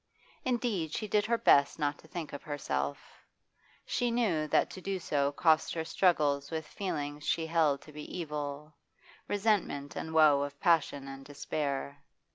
Indeed she did her best not to think of herself; she knew that to do so cost her struggles with feelings she held to be evil, resentment and woe of passion and despair.